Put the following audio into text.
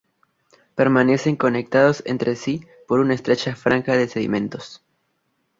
Permanecen conectados entre sí por una estrecha franja de sedimentos.